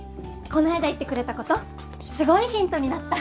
こないだ言ってくれたことすごいヒントになった！